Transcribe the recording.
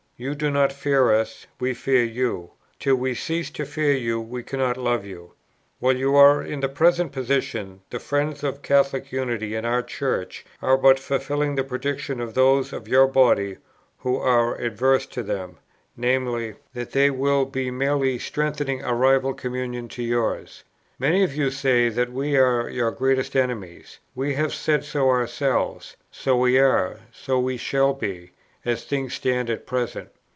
You do not fear us; we fear you. Till we cease to fear you, we cannot love you. "While you are in your present position, the friends of Catholic unity in our Church are but fulfilling the prediction of those of your body who are averse to them, viz. that they will be merely strengthening a rival communion to yours. Many of you say that we are your greatest enemies; we have said so ourselves: so we are, so we shall be, as things stand at present.